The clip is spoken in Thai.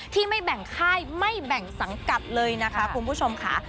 ที่ไม่แบ่งค่ายไม่แบ่งสังกัดเลยนะคะคุณผู้ชมค่ะ